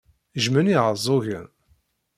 Jjmen Iɛeẓẓugen.